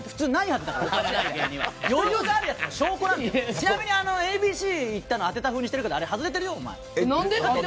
ちなみに、「ＡＢＣ」いったの当てたふうにしてるけど外れてるよ、あれ。